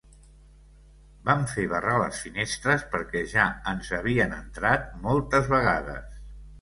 Vam fer barrar les finestres perquè ja ens havien entrat moltes vegades.